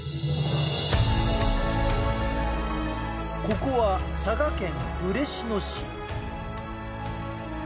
ここは佐賀県嬉野市。